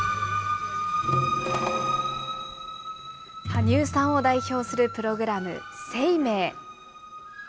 羽生さんを代表するプログラム、ＳＥＩＭＥＩ。